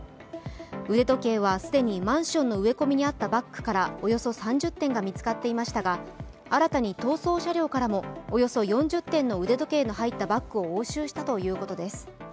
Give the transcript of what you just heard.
腕時計は既にマンションの植え込みにあったバッグからおよそ３０点が見つかっていましたが新たに逃走車両からもおよそ４０点の腕時計の入ったバッグを押収したということです。